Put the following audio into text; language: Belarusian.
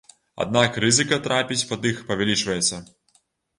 Аднак рызыка трапіць пад іх павялічваецца.